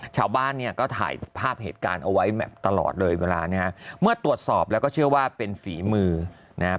ชาวบ้านเนี่ยก็ถ่ายภาพเหตุการณ์เอาไว้แบบตลอดเลยเวลานะฮะเมื่อตรวจสอบแล้วก็เชื่อว่าเป็นฝีมือนะฮะ